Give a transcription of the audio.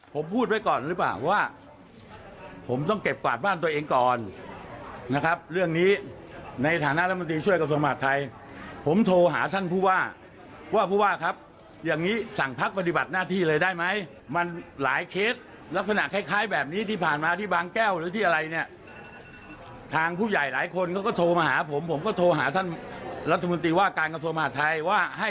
ผมพูดไว้ก่อนหรือเปล่าว่าผมต้องเก็บกวาดบ้านตัวเองก่อนนะครับเรื่องนี้ในฐานะรัฐมนตรีช่วยกระทรวงมหาดไทยผมโทรหาท่านผู้ว่าว่าผู้ว่าครับอย่างนี้สั่งพักปฏิบัติหน้าที่เลยได้ไหมมันหลายเคสลักษณะคล้ายคล้ายแบบนี้ที่ผ่านมาที่บางแก้วหรือที่อะไรเนี่ยทางผู้ใหญ่หลายคนเขาก็โทรมาหาผมผมก็โทรหาท่านรัฐมนตรีว่าการกระทรวงมหาดไทยว่าให้